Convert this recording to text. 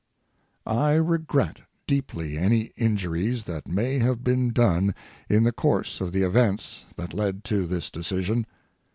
I regret deeply any injuries that may have been done in the course of the events that led to this decision.